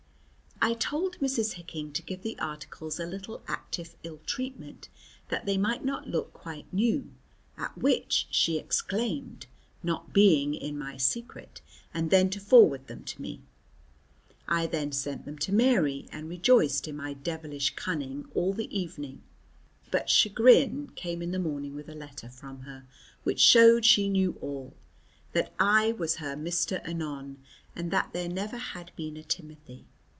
I told Mrs. Hicking to give the articles a little active ill treatment that they might not look quite new, at which she exclaimed, not being in my secret, and then to forward them to me. I then sent them to Mary and rejoiced in my devilish cunning all the evening, but chagrin came in the morning with a letter from her which showed she knew all, that I was her Mr. Anon, and that there never had been a Timothy.